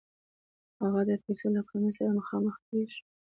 خو هغه د پیسو له کمښت سره مخامخ کېږي